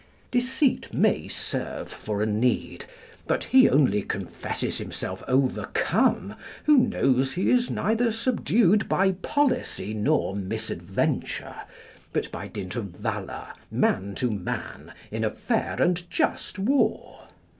Deceit may serve for a need, but he only confesses himself overcome who knows he is neither subdued by policy nor misadventure, but by dint of valour, man to man, in a fair and just war.